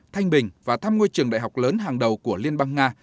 thanh bình và thăm ngôi trường đại học lớn hàng đầu của liên bang nga